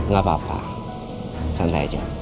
gapapa santai aja